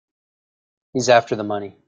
He's after the money.